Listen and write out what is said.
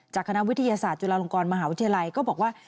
คณะวิทยาศาสตร์จุฬาลงกรมหาวิทยาลัยก็บอกว่า